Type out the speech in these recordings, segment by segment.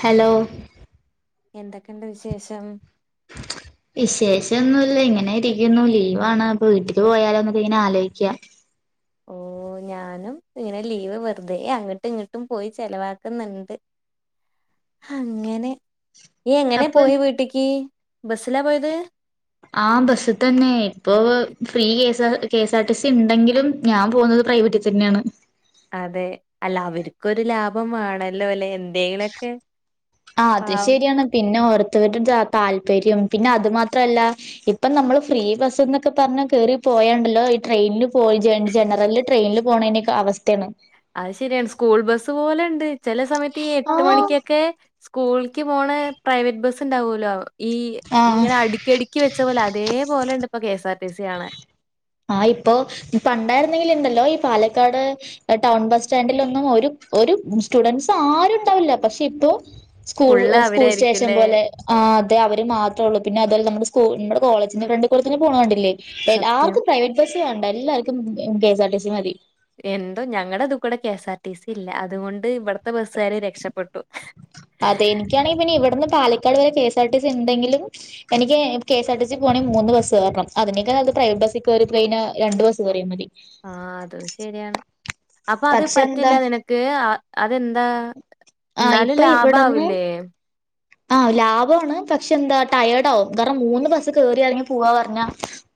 Hello എന്തൊക്കെണ്ട് വിശേഷം? [unintelligible] വിശേഷൊന്നുല്ല ഇങ്ങനെ ഇരിക്കുന്നു ലീവാണ് അപ്പൊവീട്ടിക്ക് പോയാലോന്ന്ങ്ങനെ ആലോചിക്കാം. ഓ ഓ ഞാനും ഇങ്ങനെ ലീവ് വെറുതെ അങ്ങട്ട് ഇങ്ങട്ടും പോയി ചെലവാക്ന്ന്ണ്ട്. ഹങ്ങനെ ഈ എങ്ങനെ അപ്പൊ പോയി വീട്ടിക്ക് ബസ്സിലാ പോയത്? ആ ബസ് തന്നെ ഇപ്പൊ ഫ്രീെഎ ആ കെഎസ്ആർ ടി സി ണ്ടെങ്കിലും ഞാൻ പോുന്നത്. പ്രൈവറ്റിൽ തന്നെയാണ്. അതെ അല്ല അവർക്കൊരു ലാഭവേണല്ലോ ല്ലെ? ആ അത് ശരിയാണ് പിന്നെ ഓർ തേട്ട് ച താല്പര്യം പിന്നെ അത് മാത്രല്ല ഇപ്പം നമ്മൾ ഫ്രീ ബസ്ന്നൊക്കെ പറഞ്ഞ കേറിപ്പോ പോയണ്ടല്ലോ ഈ ട്രെയിനിൽ പോയി ജെൻ ജനറല് ട്രെയിനിൽ പോണേന്റെ ഒക്കെ അവസ്ഥയാണ്. അയ് ശരിയാണ് സ്കൂൾ ബസ്സ് പോലെണ്ട് ചെല സമയത്ത് ഈ എട്ട് മണിക്കൊക്കെ സ്കൂളക്ക് പോണ പ്രൈവറ്റ് ബസ് ഉണ്ടാവല്ലോ ഈ ആ ഇങ്ങനെ അടുിക്കടുക്കി വെച്ച പോലെ അതേപോലെ ഇണ്ട് ഇപ്പ കെഎസ് ആർ ടി സി കാണാൻ ആഹ ഇപ്പോൊ ഇപ്പ ഉണ്ടായിരുന്നെങ്കിൽ ഇണ്ടല്ലോ ഈ പാലക്കാട് ടൗൺ ബസ് സ്റ്റാൻഡിലൊന്നും ഒരു ഒരു സ്റ്റുഡൻറ്സ് ആരും ഉണ്ടാവില്ല പക്ഷെ ഇപ്പോ സ്കൂൾ ഫുള്ള് സ്കൂൾ സ്റ്റേഷം അവരായിരിക്കുംല്ലേ പോലെ അതേ അവര് മാത്രേ ഉള്ളൂ പിന്നെ അതുപലെ നമ്മുടെ സ്കൂൾ നമ്മുടെ കോളേജിന്റെ ഫ്രണ്ടിൽ കൂടെത്തന്നെ പോക്കണത് കണ്ടില്ലേ സത്യം എല്ലാവർക്കും പ്രൈവറ്റ് ബസ്സ ഉണ്ട് എല്ലാവർക്കും കെഎസ്ആർടി സി മതി എന്തോ ഞങ്ങളുടെ അതു കൂടെ കെഎസ് ആർ ടി സി ഇല്ല അതുകൊണ്ട് ഇവിടത്തെ ബസ്സുകാർ രക്ഷപ്പെെട്ടു അതെ എനിക്കാണെങ്കിൽ പിന്നെ ഇവിടുന്ന് പാലക്കാട് വരെ കെ എസ്ആർ ടി സി ഉണ്ടെങ്കിലും എനിക്ക് കെസ്ആർ ടി സി പോണെങ്കിൽ മൂ മൂന്ന് ബസ് കയറണം അതിനേക്കാെ അത് പ്രൈറ്റ് ബസ്ൽ കയറി ടെയിന് രണ്ട് ബസ് കറിയാ മതി ആ അതും ശരിയാണ് അപ്പൊ അത് പക്ഷെ പറ്റില്ല എന്താ നിനക്ക് അതെന്താ എന്നാലും ലാഭ ആവില്ലേ ആ ലാഭമാണ് പക്ഷെ എന്താ ടയേർഡ് ആവും കാരണം മൂന്ന് ബസ്സ് ക കേറി ഇറങ്ങി പോവാ പറഞ്ഞ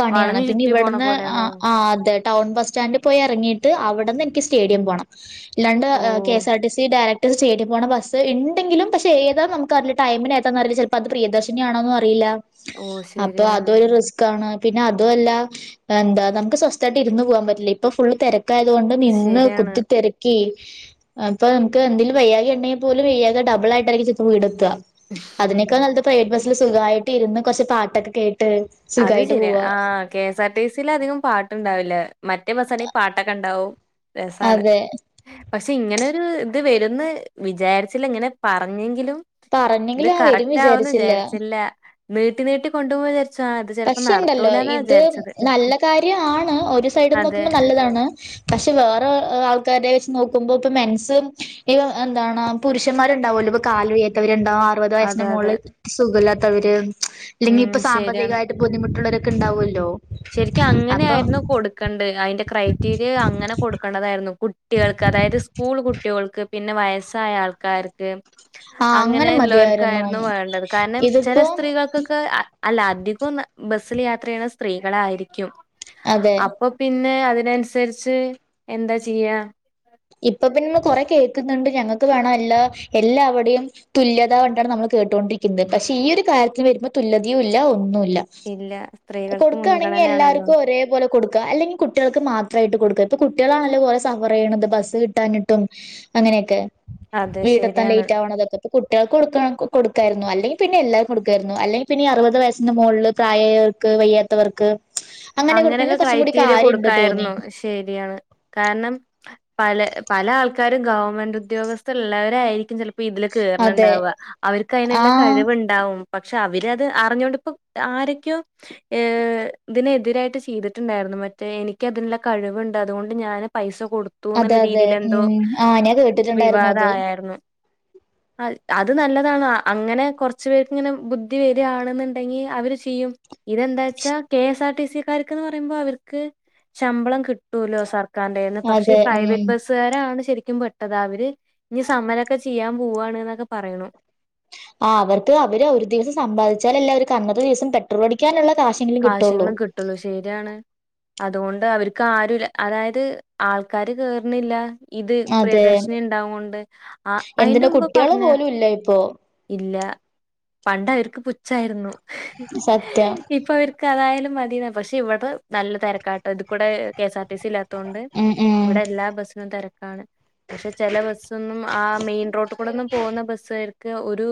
പണിയാണ് വളഞ്ഞു പിന്നെ ചുറ്റി പോണ ഇവിടുന്ന് പോലെയാണോ ആ അതെ ടൗൺ ബസ് സ്റ്റാൻഡിൽ പോയി ഇറങ്ങിയിട്ട് അവിടുന്ന് എനിക്ക് സ്റ്റേഡിയം പോണം ഇല്ലാണ്ട് ഓ KSR T C direct stadium പോുന്ന ബസ് ഉെങ്കിലും പക്ഷെ താ നമു അറിയി [unintelligible] ചിലപ്പോ അത് പ്രിയദർശിനിയാോന്ന അറിയില്ല ഓ അപ്പൊ ശരിയാണ് അതൊരു റിസ്ക്കാണ് പിന്നെ അതും അല്ല എന്താ നമുക്ക് സ്വസ്ഥമായിട്ട് ഇരുന്ന് പോകാൻ പറ്റില്ല ഇപ്പൊ ഫുള് തിരക്കായതുകൊണ്ട് ഒണ് ശരിയാണ് കുത്തിത്തെരക്കി അപ്പൊ നമുക്ക് എന്തേങ്കും വയ്യാകെ ഉണ്ടെങ്കിൽ പോലും വെയ്യാക ഡബിൾ ആയിട്ടായിരിക്കും ചിലപ്പോ വീടെ എത്തുക അതിനൊക്കെ നല്ലത് പ്രൈവറ്റ് ബസ്സില് സുഖമായിട്ട് ഇരുന്ന് കുറച്ച് പാട്ടൊക്കെ കേട്ട് അത് സുഖായിട്ട് ശരിയാണ് പോവാ. ആ കെഎസ് ആർ ടി സിൽ അധികം പാട്ടു ഉണ്ടാവില്ല മറ്റേ ബസണ പാട്ടൊക്കെ ഉണ്ടാവും രസമാണ് അതെ പക്ഷെ ഇങ്ങനെൊരു ഇത് വരുന്ന് വിചാരിച്ചില്ല ഇങ്ങനെ പറഞ്ഞെങ്കിലും ഇത് പറഞ്ഞെങ്കിലും ആ വരും കറക്റ്റ് ആവുന്നു വിചാരിച്ചില്ല. വിചരിച്ചില്ല നീട്ടി നീട്ടി കൊണ്ടുപോകുന്ന് വിചാരിച്ച പക്ഷെണ്ടല്ലോ ഇത് നല്ല കാര്യണ് ഒരു സൈഡും അതെ നോക്കുമ്പോ നല്ലതാണ് പക്ഷെ വേറെ ആൾക്കാര വെച്ച് നോക്കുമ്പോ ഇപ്പ മെൻസും ഈ എന്താണ് പുരുഷന്മാരുംണ്ടാവൂല കാല് വയ്യാത്തവര്ണ്ടാവും അറുപത് അതെ വയസ്സിന് അതെ മുകളള് സുഖമില്ലാത്തവര് അല്ലെങ്കി ഉം ഇപ്പൊ സാമ്പത്തികമായിട്ട് ബുദ്ധിമുട്ടുള്ളവൊക്കെ ഉണ്ടാവുമല്ലോ ശരിക്ക അങ്ങനെയ അപ്പൊ ആായിരുന്നു കൊടുക്കേണ്ടത് അതിന്റെ ക്രൈറ്റീരിയ അങ്ങനെ കൊടുക്കേണ്ടതായിരുന്നു കു കുട്ടികൾക്ക് അതായത് സ്കൂൾ കുട്ടികൾക്ക് പിന്നെ വയസ്സായ ആൾക്കാർക്ക് ആഹ് അങ്ങനെ മതിയായിരുന്നു അങ്ങനെല്ലവർക്കായിരുന്നു വേണ്ടത് കാരണം ചില ഇതിപ്പോ സ്ത്രീകൾക്കൊക്കെ അല്ല അധികം ബസ്സിലെ യാത്ര ചെയ്യുന്നത് സ്ത്രീകൾ ആയിരിക്കും അതെ അപ്പൊ പിന്നെ പിന്നെ അതിനനുസരിച്ച് എന്താ ചെയ്യാ? ഇപ്പ പിന്നമ്മ കൊറെ കേൾക്കുന്നുണ്ട് ഞങ്ങൾക്ക് വേണ അല്ല എല്ലാവവിടെയും തുല്യത കണ്ടാണ് നമ്മ [unintelligible] കേട്ടുകൊണ്ടിരിക്കുന്നത് പക്ഷെ ഈ ഒരു കാര്ത്തിൽ വരുമ്പോൾ തുല്യതയയും ഇല്ല ഒന്നുമില്ല ഇല്ല സ്ത്രീകൾക്ക് കൊടുക്കയാണെങ്കിൽ മുൻഗണനയാണല്ലോ എല്ലാവർക്കും ഒരേ പോലെ കൊടുക്ക അല്ലെങ്കിൽ കുട്ടികൾക്ക് മാത്രമായിട്ട് കൊടുക്കുക ഇപ്പൊ കുട്ടികളാണല്ലേപോലെ സഫർ ചെയ്യണ ബസ് കിട്ടാനിട്ടും അങ്ങനെയൊക്കെ അതെ വീട എത്തൻ ശരിയാണ് ലേറ്റ് ആവണതൊക്കെ കുട്ടികൾക്ക് കൊടുക്കണം കൊടുക്കായിരുന്നു അല്ലെങ്കിൽ പിന്നെ എല്ലാവരും കൊടുക്കായിരുന്നു അല്ലെങ്കിൽ പിന്നെ ഈ അറുപത് വയസ്സിന്റെ മുകളിൽ പ്രായർക്ക് വയ്യാത്തവർക്ക് അങ്ങനെ അങ്ങനൊക്കെ കൊടുക്കണേല് കുറച്ചും കൂടി ക്രൈറ്റീരിയ കാര്യണ്ട് തോന്നി. കൊടുക്കായിരുന്നു ശരിയാണ്. കാരണം പല പല ആൾക്കാരും ഗവൺമെന്റ് ഉദ്യോഗസ്ഥർള്ളവരായിയിരിക്കും ചില ഇ ഇതില് അതെ കേയറണുണ്ടാവുക അവർക്ക് അതിനുള്ള ആഹ് കഴിവുണ്ടാവും പക്ഷെ അവരത് അറിഞ്ഞുകൊണ്ടപ്പോ ആരൊക്കെയോ ഇതിനെ തിരായിട്ട് ചെയ്തിട്ടുണ്ടായിരുന്നു മറ്റേ എനിക്ക്തിനുള്ള കഴിവുണ്ട് അതുകൊണ്ട് ഞാൻ പൈസ കൊടുത്തു അതെ എന്നുള്ള അതെ രീതിൽ എന്തോ ഉം ആഹ് ഞാൻ കേട്ടിട്ടുണ്ടായിരുന്നു വിവാദ അത്. ആയരുന്നു. [inaudible] അ അത് നല്ലതാണ് അങ്ങനെ കുറച്ചു കുറച്ച് പേർക്ക് ഇങ്ങനെ ബുദ്ധി വരികയാണെന്നുണ്ടെങ്കി അവര് ചെയ്യും ഇതെന്താച്ചാ കെ എസ് ആർ ടി സിക്കാര്ക്ക്ന്ന് പറയുമ്പോ അവര്ക്ക് ശമ്പളം കിട്ടുല്ലോ സർ ക്കാണ്ടായിന്ന് പക്ഷേ ഈ അതെ ഉം പ്രൈവറ്റ് ബസ്സുകാരാണ് ശെരി ക്കും പെട്ടത് അവര് ഇഞ്ഞി സമരൊക്കെ ചെയ്യാൻ പോവാണ് ന്നൊക്കെ പറയ്ണു ആ അവർക്ക് അവര് ഒര് ദിവസം സമ്പാദിച്ചാലല്ലെ അവര്ക്ക് അന്നത്തെ ദിവസം പെട്രോൾ അടിക്കാന്ള്ള കാശെങ്കിലും കിട്ട്ള്ളൂ ശെരിയാണ് അ ദൊണ്ട് അവര്ക്ക് ആരും അതായത് ആൾക്കാര് കേർണില്ല ഇദ് അതെ പ്രിയദർശിനി ഉണ്ടാവൊണ്ട് ആ അയിന്റെ എന്തിന് മുമ്പേ കുട്ടികള് പറഞ്ഞ പോലും ഇല്ല ഇപ്പൊ ഇല്ല പണ്ട് അവർക്ക് പുച്ഛാരുന്നു സത്യം ഇപ്പ അവര്ക്ക് അതായാലും മദിന്നാ പഷേ ഇവ്ടെ നല്ല തെരക്കാട്ടോ ഇദ്കൂടെ K S R T C ഇല്ലാത്തൊണ്ട് ഉം ഉം ഇവ്ടെ എല്ലാ ബസ്സിനും തെരക്കാണ് പഷേ ചെല ബസ്സൊന്നും ആ മെയിൻ റോട്ടികൂടെന്നും പോവ്ന്ന ബസ് കാ ഒരു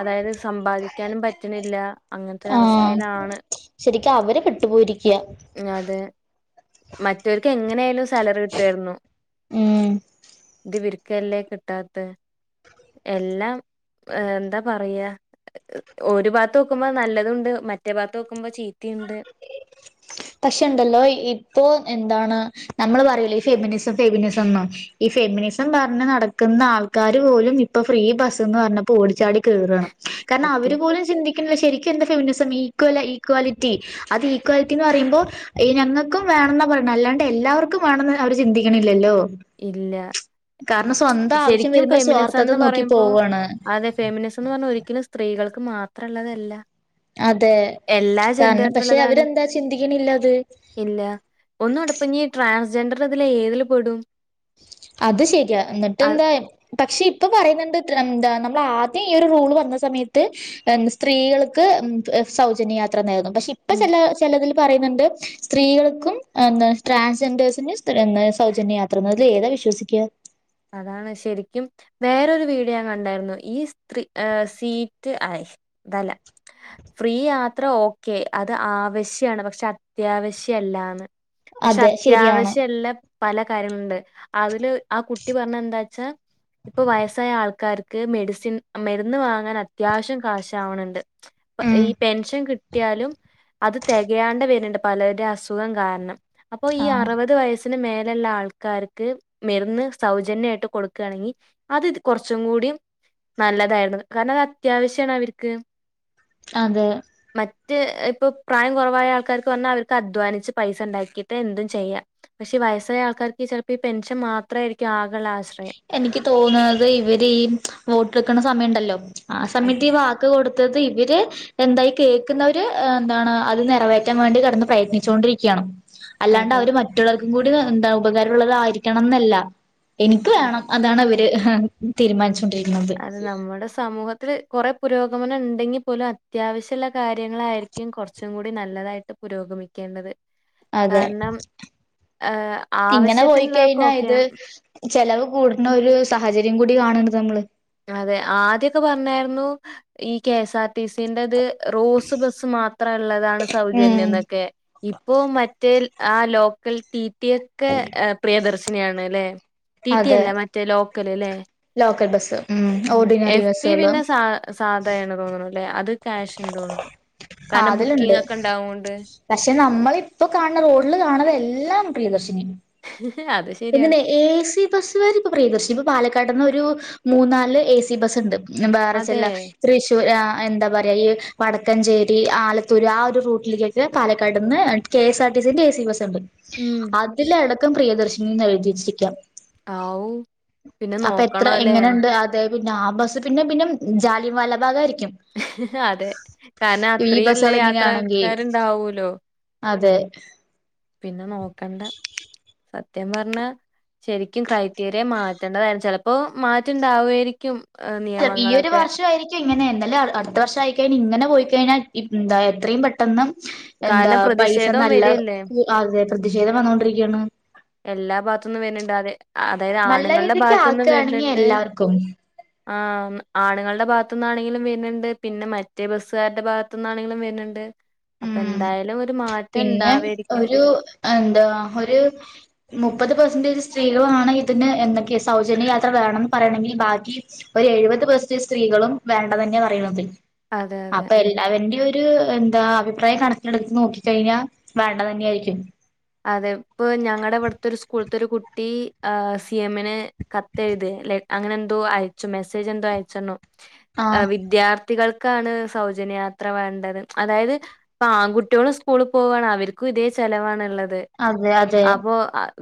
അതായത് സമ്പാദിക്കാനും പറ്റ്ണില്ല ആഹ് ശെരിക്കും അവര് പെട്ടുപോയിരിക്കയാ മറ്റവര്ക്ക് എങ്ങനൊയാലും സാലറി കിട്ട്വാരുന്നു ഉം ദിവര് ക്കല്ലേ കിട്ടാത്തെ എല്ലാം എന്താ പറയാ ഒരു ഭാത്ത് നോക്കുമ്പ നല്ലതുംണ്ട് മറ്റേ ഭാത്ത് നോക്കുമ്പ ചീ പഷേണ്ടല്ലോ ഇ ഇപ്പോ എന്താണ് നമ്മള് പറയുലെ ഈ ഫെമിനിസം ഫെമിനിസന്ന് ഈ ഫെമിനിസം പറഞ്ഞ് നടക്ക്‌ന്ന ന്ന ആൾക്കാര് പോലും ഇപ്പം ഫ്രീ ബസ്ന്ന് പറഞ്ഞപ്പോ ഓടിച്ചാടി കേറാണ് കാരണം അവര് സത്യം പോലും ചിന്തിക്ക്‌ന്നില്ല ശെരിക്കും എന്താ ഫെമിനസം ഈക്വല ഈക്വാലിറ്റി അത് ഇക്വാലിറ്റി ന്ന് പറയ്മ്പോ ഈ ഞങ്ങക്കും വേണന്നാ പറയണെ അല്ലാണ്ട് എല്ലാവർക്കും വേണന്ന് അവര് ചിന്തിക്ക്‌ണില്ലല്ലോ ഇല്ല ആവശ്യം ശരിക്കും വരുമ്പോ സ്വാർത്ഥത ഫെമിനിസന്ന് നോക്കി പറയ്മ്പോ പോവാണ് അതെ ഫെമിനിസം എന്ന് പറഞ്ഞാ ഒരിക്കലും സ്ത്രീകൾ ക്ക് മാത്രം ള്ളതല്ല അതെ എല്ലാ കാരണം പക്ഷെ ജെന്ററിനുള്ളതാണ് അവരെന്താ ചിന്തിക്കണില്ല അത് ഇല്ല ഒന്നും [unintelligible] ഞ്ഞി ട്രാൻസ്ജെൻഡർ ഇതില് ഏതില് പെടും അത് ശരിയാ എന്നിട്ട് എന്താ അ പക്ഷെ ഇപ്പൊ പറയ്ന്ന്ണ്ട് എന്താ നമ്മളാദ്യം ഈ ഒരു റൂൾ വന്ന സമയത്ത് സ്ത്രീകൾക്ക് സൗജന്യയാത്രന്നാന്നു പഷേ ഇപ്പ ചെല ചെലതിലും പറയ്ന്ന്ണ്ട് സ്ത്രീകൾക്കും എന്താ ട്രാൻസ്ജെൻഡേഴ്സിന് സ് എന്താ സൗജന്യ യാ ത്രാന്ന് അതിൽ ഏതാ വിശ്വസിക്കുക അതാണ് ശെരിക്കും വേറൊരു വീഡിയോ ഞാൻ കണ്ടാരുന്നു ഈ സ്ത്രീ സീറ്റ് അയ് അതല്ല ഫ്രീ യാത്ര ഓക്കെ അത് ആവശ്യാണ് പഷേ അത്യാവശ്യ ശ്യല്ലാന്ന് പഷേ അതെ ശരിയാണ് അത്യാവശ്യല്ല പല കാര്യങ്ങള്ണ്ട് അതില് ആ കു കുട്ടി പറഞ്ഞ എന്താച്ചാ ഇപ്പ വയസ്സായ ആൾക്കാർക്ക് മെഡിസിൻ മെരുന്ന് വാങ്ങാൻ അത്യാവശ്യം കാശാവ്ണണ്ട് ഉം ഈ പെൻഷൻ ക് ട്ടിയാലും അത് തെകയാണ്ട് വര്ണ്ട് പലര്ടെ അസുഖം കാരണം അപ്പോ ഈ ആ അറുവത് വയസ് ത്തിന് മേല്ള്ള ആൾക്കാർക്ക് മെരുന്ന് സൗജന്യായിട്ട് കൊടുക്കണെങ്കി അത് ഇ കൊറച്ചും കൂടി നല്ലതാര്ന്നു കാരണം അത് അത്യാവശ്യാണ് അവർക്ക് അതെ മറ്റ് ഇപ്പ പ്രായം കൊറവായ ആൾക്കാർക്ക് പറഞ്ഞാ അവര്ക്ക് അധ്വാനിച്ച് പൈസ ണ്ടാക്കിട്ട് എന്തും ചെയ്യാം പ ഷേ വസ്സായ ആൾക്കാർക്ക് ചെലപ്പ ഈ പെഷൻ മാത്രം ആരിക്കും ആകെള്ള ആശ്ര വോട്ട് എടുക്ക്‌ണ സമയണ്ടല്ലോ ആ സമയത്ത് അതെ ഈ വാക്ക് കൊട് ത്തത് ഇവര് എന്തായി കേൾക്കുന്നവര് എന്താണ് അത് നിറവേറ്റാൻ വാണ്ടി കെടന്ന് പ്രയത്നിച്ചുകൊണ്ടിരിക്കയാണ് അല്ലാണ്ട് അതെ അവര് മറ്റുള്ളവൽക്കും കൂടി എന്താ ഉപകാരള്ളതാരിക്കണംന്നല്ല ക്ക്‌ അതെ വേണം അതാണ് ഇവര് തീരുമാനിച്ചൊണ്ടിരി അത് നമ്മടെ സമൂഹത്തില് കുറേ പുരോഗമനം ഉണ്ടെങ്കിൽ പോലും അത്യാവശ്യമുള്ള കാര്യങ്ങളായിരിക്കും കുറച്ചും കൂടി നല്ലതായിട്ട് പുരോഗമ ഉഗമിക്കേണ്ടത്. അതെ ആഹ് ഇങ്ങനെ പോയി ആവശ്യത്തിനുള്ളതൊക്കെ കഴിഞ്ഞാൽ ഓക്കെയാണ് ഇത് ചെലവ് കൂടുന്ന ഒരു സാഹചര്യം കൂടി കാണണ്ട് നമ്മള്. അതെ ആദ്യൊക്കെ പറഞ്ഞായിരുന്നു ഈ കെ എസ് ആർ ടി സിന്റെത് റോസ് ബസ് മാത്ര ള്ളതാണ് സൗജന്യം ഉം എന്നൊക്കെ ഇപ്പോൊ മറ്റേൽ ആ ലോക്കൽ ടീറ്റിയൊക്കെ പ്രിയദർശിനിയാണ് ല്ലേ ട്ടീട്ടി അതെ അല്ല മറ്റേ ലോ ക്കല ല്ലേ. ലോക്കൽ ബസ് ഉ എഫ് ബി പിന്നെ സ സാധയണ തോന്നണ അല്ലെ അത് കാക്ഷ് തോന്നണം ആ കാരന അതിലുണ്ട്. ബുക്കിംഗ ഒക്കെ ഇണ്ടാവോണ്ട് പക്ഷെ നമ്മളിപ്പ കാണണ റോഡില് കാണത എല്ലാം പ്രിയ ദർശിനിയാ. അത് ശരിയാണ്. എന്നെ എ സി ബസ്കർ ഇപ്പൊ പ്രിയദർശി ഇപ്പൊ പാലക്കാട്ന്ന് ഒരു മൂന്ന നാല് എ സി ബസ് ണ്ട് അതെ. ബാറച്ചെല്ല തൃശ്ശൂർ ആ എന്താ പറയുക ഈ വടക്കഞ്ചേരി ആലത്തൂർ ആ ഒരു റൂട്ടിലേക്കൊക്കെ പാലക്കാട് നിന്ന് K S R T A C bus ഉണ്ട് ഉം. അതില അടക്കം പ്രിയദർശനന്ന് എഴുതിച്ചിരിക്ക. ആ ഊ അപ്പൊ എത്ര എങ്ങനെയുണ്ട് അതെ പിന്നെ ആ ബസ് പിന്നെ പിന്നെ ജാലിയ വാലാ ഭാഗ് ആയിരി അതെ കാരണം ഈ അത്രയുംല്ല ബസ്സുകൾ എങ്ങനെയാണെങ്കി യാത്രക്കാരുണ്ടാവല്ലോ [unintelligible] പിന്നെ നോക്കണ്ട സത്യം പറഞ്ഞ ശരിക്കും ക്രൈറ്റീരിയ മാറ്റേണ്ടതായിരുന്നു ചിലപ്പോ മാറ്റുണ്ടാവുകായിരിക്കും. ഈ ഒരു വർഷമായിരിക്കും. ഇങ്ങനെല്ല അടുത്ത വർഷം ആയിക്കഴിഞ്ഞ ഇങ്ങനെ പോയിക്കഴിഞ്ഞാൽ എന്താ എത്രയും പെട്ടന്ന് എന്താ കാരണം പൈസ പ്രതിഷേധം നല്ല വരല്ലേ. അതെ പ്രതിഷേധം വന്നൊണ്ടിരിക്കയാണ്. എല്ലാ ഭാഗത്തൊന്നും വരുന്നുണ്ട് അത അതായത് നല്ല ആണുങ്ങളുടെ രീതിക്ക് ഭാഗത്തൊന്നും ആക്കുകയാണെങ്കിൽ വരുന്നുണ്ട് എല്ലാവർക്കും ആ ആണുുകളുടെ ഭാഗത്തുനിന്നാണെങ്കിലും വരുന്നുണ്ട് പിന്നെ മറ്റേ ബസ്സുകാരുടെ ഭാഗത്തു നിന്നാണെങ്കിലും വരുന്നുണ്ട്. അപ്പൊ മ് എന്തായാലും ഒരു മാറ്റം പിന്നെ ഉണ്ടാവായിരിക്കും. ഒരു എന്താ ഒരു മുപ്പത് പെർസെന്റേജ് സ്ത്രീകളാണ് ഇതിന് എന്തൊക്കെ സൗജന്യ യാത്ര വേണംന്ന് പറയണെങ്കിൽ ബാക്കി ഒരു എഴുപത് പെർസന് സ്ത്രീകളും വേണ്ടതന്നെ പറയുന്നത്. അതെ അതെ. അപ്പൊ എല്ലാവന്റെ ഒരു എന്താ? അഭിപ്രായം കണക്കിലെടുത്ത് നോക്കി കഴിഞ്ഞാൽ വേണ്ടതന്നെ ആായിരിക്കും. അതെ ഇപ്പൊ ഞങ്ങളുടെ വിടുത്തെ ഒരു സ്കൂളത്തെ ഒരു കുട്ടി സി എമ്മിന് കത്തെഴുത് അങ്ങനന്തോ അയച്ച മെസേജന്തോ അയച്ചന്ന അ ആഹ് വിദ്യാ ത്തികൾക്കാണ് സൗജന്യയാത്ര വേണ്ടത് അതായത്, പ്പാങ്കുട്ട്യേളും സ്കൂള് പോവാണ് അവർക്ക് ദേ ചെലവാണുള്ളത് അതെ അതെ അപ്പോ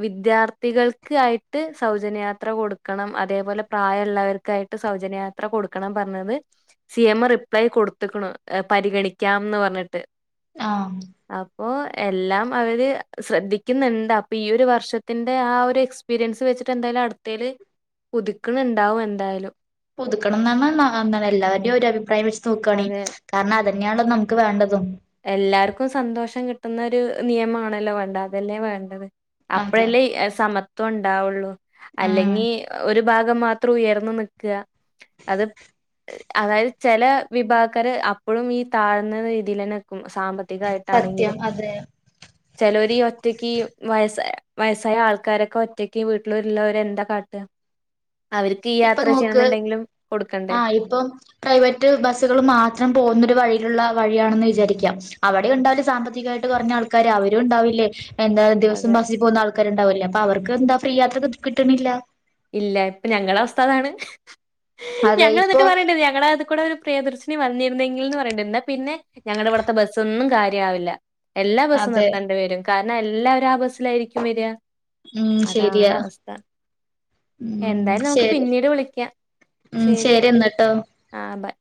വിദ്യാർത്ഥികൾക്കായിട്ട് സൗജന്യയാത്ര കൊടുക്കണം അതേപോലെ പ്രായമുള്ളവർക്കായിട്ട് സൗ ജന്യ യാത്ര കൊടുക്കണം പറഞ്ഞത് സി എം റിപ്ലൈ കൊടുത്തക്ക പരിഗണിക്കാംന്ന് പറഞ്ഞിട്ട്. ആഹ് പ്പൊ എല്ലാം അവര്- സ്രദ്ധിക്കുന്ന്ണ്ട് അപ്പിയൊരു വർഷത്തിന്റെ ആ ഒരു എക്സ്പീരിയൻസ് വെച്ചിട്ടെ ന്തായാലും അട്ത്തയില്- പുതുക്കണുണ്ടാവും എന്തായാലും- ഈഒരഭിപ്രായം വെച്ച് നോക്വാണ് അതെ. കാരണം അതന്നെയണോ നമുക്ക് വേണ്ടത്. എല്ലാർക്കും സന്തോഷം കിട്ടുന്നരു നിയമാണല്ലോ വേണ്ട അതല്ലേ വേണ്ടത്. അതെ അപ്പഴല്ലേ സമത്വം ഉണ്ടാവുള്ളു ഉം അല്ലെങ്കി ഒരു ഭാഗം മാത്രം ഉയർന്ന നിക്ക്യ അത് അതായ ചെല വിഭാഗക്കാര് അപ്പഴും ഈ താഴ്ന്ന രീതിയിലെ ന്നെ സത്യം സാമ്പത്തികായിട്ടാണെങ്കിലും അതെ ച ലോലീ ഒ ഒറ്റക്ക് വയസായ വയസ്സായ ആൾക്കാരൊക്കെ ഒറ്റക്ക് വീട്ടിലള്ളവരെ എന്താ കാട്ട്യ- ഈ യാത്ര ചെയ്യുന്നുണ്ടെങ്കിലും.. ആ ഇപ്പം പ്രൈവറ്റ് ബസ്സുകൾ മാത്രം പോകുന്നൊരു വഴി- ലുള്ള വഴിയാണെന്ന് വിചാരിക്കാം. അവിടെ ഉണ്ടാവില്ല സാമ്പത്തികായിട്ട് കുറഞ്ഞ ആൾക്കാര് അവരും ഉണ്ടാവില്ലേ. എന്താ ദിവസം അതെ. ബസ്സിപോകുന്ന ആൾക്കാരുണ്ടാവല്ലേ, അപ്പ അവർക്ക് എന്താ ഫ്രീ യാത്ര ക് കിട്ടണില്ല. ഇല്ല ഇപ്പഞങ്ങള അവസ്ഥതാണ്. അതെ ഞങ്ങള് ഇപ്പൊ ന്നട്ട് പറീണ്ട് ഞങ്ങള അത് കൂടെ പ്രിയദർശിനി വന്നിരുന്നെങ്കിലിൽ ന്ന് പറയണ്ട്. ന്നാ പിന്നെ ഞങ്ങടെ ഇവട്ത്തെ ബസ്സൊന്നും കാര്യ ആവില്ല. എല്ലാ ബസ്സും അതെ നിർത്തണ്ടി വരും കാരണം എല്ലാവരും ആ ബസ്സിലായിരിക്കും വര്യ. ഉം ശെരിയാ. ഉ എന്തായാലും നമുക്ക് ശരി പിന്നീട് വിളിക്കാം. ഉം ശരി എന്നട്ടോ. ആ ബൈ.